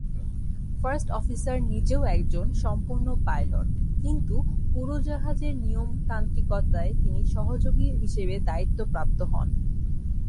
First officer নিজেও একজন সম্পূর্ণ পাইলট, কিন্তু উড়োজাহাজের নিয়মতান্ত্রিকতায় তিনি সহযোগী হিসেবে দায়িত্বপ্রাপ্ত হোন।